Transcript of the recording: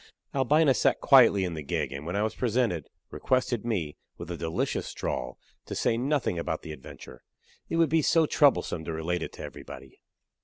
Albina sat quietly in the gig, and when I was presented, requested me, with a delicious drawl, to say nothing about the adventure it would be so troublesome to relate it to everybody!